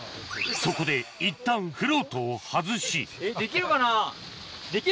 そこでいったんフロートを外しできるかな？